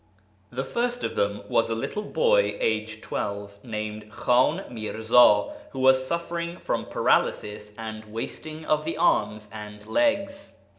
The first of them was a little boy, aged twelve, named Khan Mirza, who was suffering from paralysis and wasting of the arms and legs.